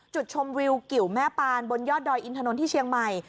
จุดชมวิวกิวแม่ปานบนยอดดอยอินถนนที่เชียงใหม่